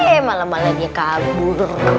eh malah malah dia kabur